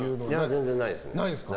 全然ないです。